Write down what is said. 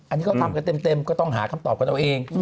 อันนี้เขาทำกันเต็มก็ต้องหาคำตอบกันเอาเอง